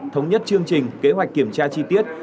thống nhất chương trình kế hoạch kiểm tra chi tiết